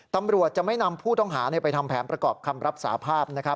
ตำรวจจะไม่นำผู้ต้องหาไปทำแผนประกอบคำรับสาภาพ